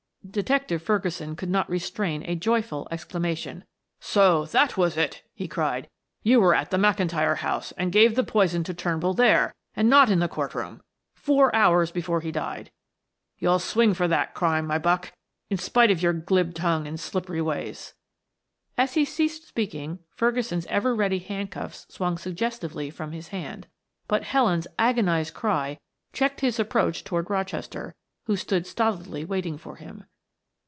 Detective Ferguson could not restrain a joyful exclamation. "So that was it!" he cried. "You were at the McIntyre house, and gave the poison to Turnbull there and not in the court room four hours before he died. You'll swing for that crime, my buck, in spite of your glib tongue and slippery ways." As he ceased speaking Ferguson's ever ready handcuffs swung suggestively from his hand, but Helen's agonized cry checked his approach toward Rochester, who stood stolidly waiting for him.